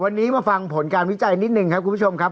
วันนี้มาฟังผลการวิจัยนิดหนึ่งครับคุณผู้ชมครับ